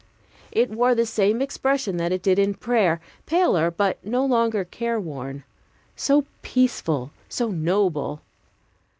It wore the same expression that it did in prayer; paler, but no longer care worn; so peaceful, so noble!